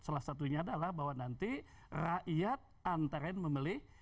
salah satunya adalah bahwa nanti rakyat antarain memilih